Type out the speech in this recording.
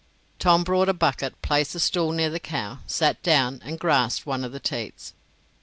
Tom brought a bucket, placed the stool near the cow, sat down, and grasped one of the teats.